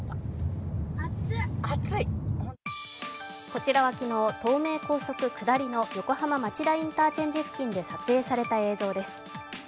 こちらは昨日東名高速下りの横浜町田インターチェンジ付近で撮影された映像です。